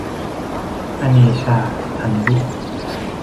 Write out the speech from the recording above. อเนชา ทันยุค